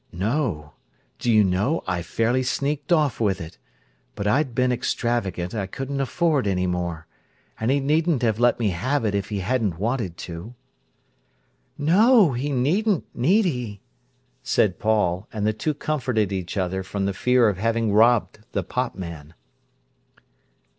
"No. Do you know, I fairly sneaked off with it. But I'd been extravagant, I couldn't afford any more. And he needn't have let me have it if he hadn't wanted to." "No, he needn't, need he," said Paul, and the two comforted each other from the fear of having robbed the pot man.